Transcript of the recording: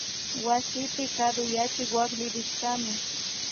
Wasipi karuyachik wakllirishkami